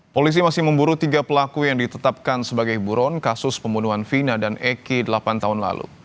polisi masih memburu tiga pelaku yang ditetapkan sebagai buron kasus pembunuhan vina dan eki delapan tahun lalu